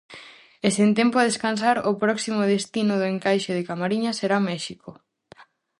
E sen tempo a descansar, o próximo destino do encaixe de Camariñas será México.